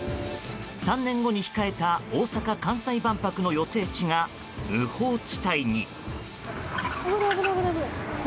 ３年後に控えた大阪・関西万博の予定地が無法地帯に。